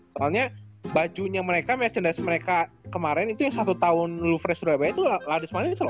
soalnya bajunya mereka merchandise mereka kemarin itu yang satu tahun lu fresh surabaya itu laris manis loh